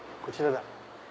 こちらだ。